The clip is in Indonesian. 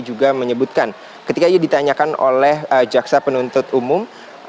juga menyebutkan ketika ia ditanyakan oleh jaksa penuntut umum